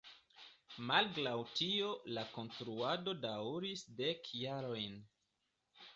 Malgraŭ tio la konstruado daŭris dek jarojn.